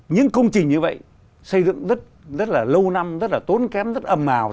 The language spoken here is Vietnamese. những công trình như vậy xây dựng rất là lâu năm rất là tốn kém rất âm màu